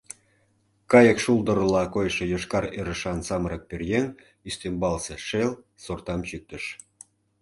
Кайык шулдырла койшо йошкар ӧрышан самырык пӧръеҥ ӱстембалсе шел сортам чӱктыш.